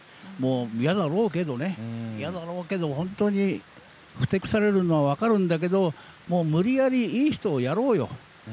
嫌だろうけど、本当にふてくされるのは分かるんだけどもう無理やり、いい人をやろうよ。